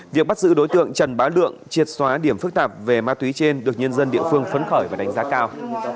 việc bắt giữ đối tượng trần bá lượng triệt xóa điểm phức tạp về ma túy trên được nhân dân địa phương phấn khởi và đánh giá cao